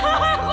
jangan tentu aku